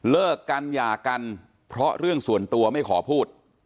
เลิกกันหย่ากันเพราะเรื่องส่วนตัวไม่ขอพูด